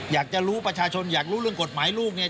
อยากจะรู้ประชาชนอยากรู้เรื่องกฎหมายลูกเนี่ย